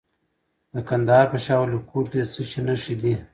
د کندهار په شاه ولیکوټ کې د څه شي نښې دي؟